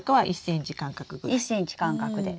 １ｃｍ間隔で。